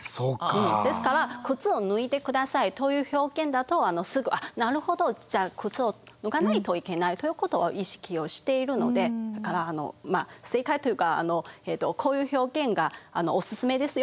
ですから靴を脱いでくださいという表現だとすぐなるほどじゃあ靴を脱がないといけないということを意識をしているのでだから正解というかこういう表現がお勧めですよということです。